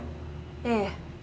ええ。